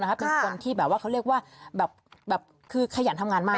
เป็นคนที่เขาเรียกว่าขยันทำงานมาก